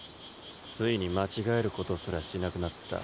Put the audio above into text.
ついに間違えることすらしなくなった。